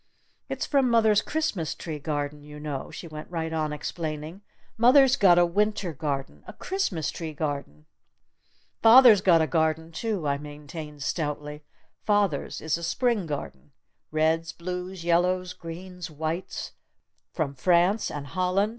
"It's from mother's Christmas tree garden, you know," she went right on explaining. "Mother's got a Winter garden a Christmas tree garden!" "Father's got a garden, too!" I maintained stoutly. "Father's is a Spring garden! Reds, blues, yellows, greens, whites! From France! And Holland!